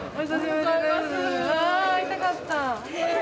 うわ会いたかった。